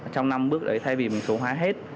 trong năm bước đấy thay vì mình số hóa hết